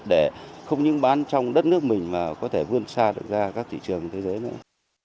để không những bán trong đất nước mình mà có thể vươn xa được ra các thị trường thế giới nữa